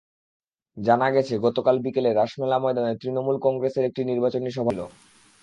জানা গেছে, গতকাল বিকেলে রাসমেলা ময়দানে তৃণমূল কংগ্রেসের একটি নির্বাচনী সভা ছিল।